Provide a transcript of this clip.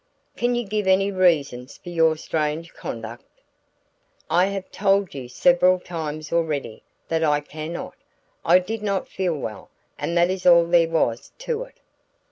"Can you give any reasons for your strange conduct?" "I have told you several times already that I can not. I did not feel well, and that is all there was to it."